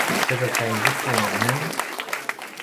serekay zuku mun?